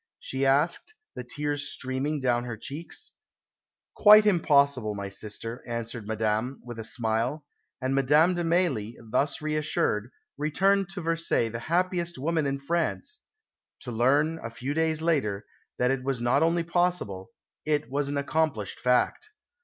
she asked, the tears streaming down her cheeks. "Quite impossible, my sister," answered Madame, with a smile; and Madame de Mailly, thus reassured, returned to Versailles the happiest woman in France to learn, a few days later, that it was not only possible, it was an accomplished fact.